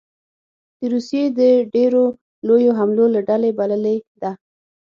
د روسیې د ډېرو لویو حملو له ډلې بللې ده